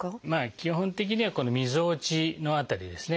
基本的にはこのみぞおちの辺りですね。